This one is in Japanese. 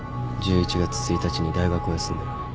１１月１日に大学を休んでる。